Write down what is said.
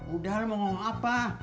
udah lo mau ngomong apa